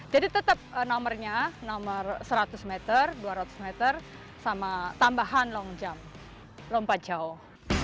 jadi tetap nomernya nomer seratus meter dua ratus meter sama tambahan long jump lompat jauh